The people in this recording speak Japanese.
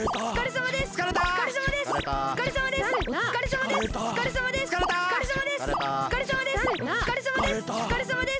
おつかれさまです！